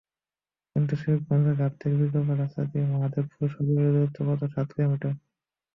কিন্তু শিবগঞ্জ ঘাট থেকে বিকল্প রাস্তা দিয়ে মহাদেবপুর সদরের দূরত্ব সাত কিলোমিটার।